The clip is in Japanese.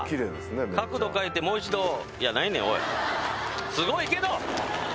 角度変えてもう一度やないねんおいすごいけど！